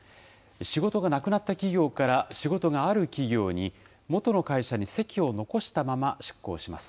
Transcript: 仕事がなくなった企業から仕事がある企業に、元の会社に籍を残したまま出向します。